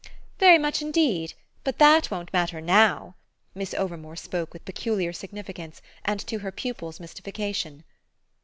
"Very much indeed; but that won't matter NOW." Miss Overmore spoke with peculiar significance and to her pupil's mystification.